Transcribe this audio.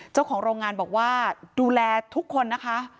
เจ้าของโรงงานบอกว่าดูแลทุกคนนะคะ